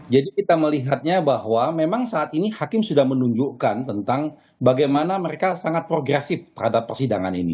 jadi kita melihatnya bahwa memang saat ini hakim sudah menunjukkan tentang bagaimana mereka sangat progresif terhadap persidangan ini